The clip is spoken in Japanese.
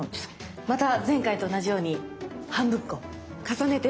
また前回と同じように半分こ重ねて。